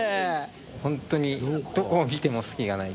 ほんとにどこを見ても隙がない。